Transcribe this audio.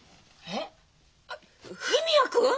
え文也君？